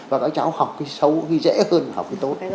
và các cháu học cái xấu đi dễ hơn học cái tốt